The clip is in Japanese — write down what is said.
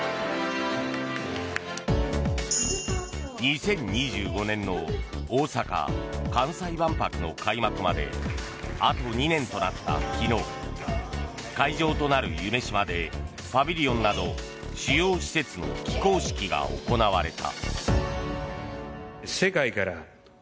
２０２５年の大阪・関西万博の開幕まであと２年となった昨日会場となる夢洲でパビリオンなど主要施設の起工式が行われた。